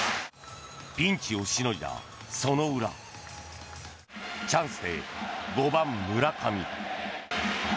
ピンチをしのいだ、その裏チャンスで５番、村上。